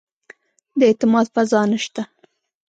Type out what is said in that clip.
د اعتماد فضا نه شته.